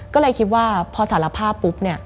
ก็เลยคิดว่าพอสารภาพปุ๊บ